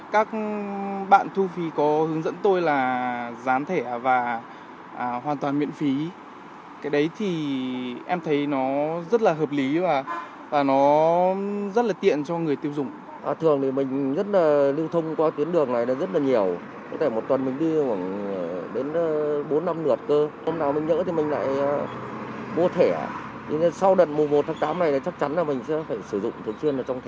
các trạm đều đồng tình với việc gián thẻ etc